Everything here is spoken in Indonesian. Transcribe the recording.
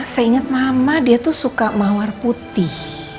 saya ingat mama dia tuh suka mawar putih